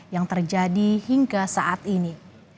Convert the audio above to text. yang terjadi hingga saat ini